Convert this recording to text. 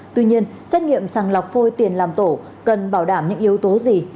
tuy nhiên xét nghiệm sàng lọc phôi tiền làm tổ cần bảo đảm những yếu tố gì